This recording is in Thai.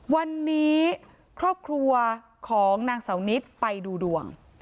วันนี้ครอบครัวของนางเสานิดไปดูดวง